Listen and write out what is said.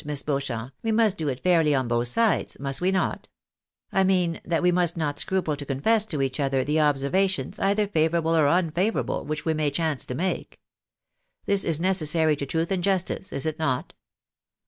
Miss Beaucliamp, we must do it fairly on both sides, must we not ? I mean that we must not scruple to confess to each other the observa tions, either favourable or unfavourable, which we may chance to make. This is necessary to truth and justice, is it not?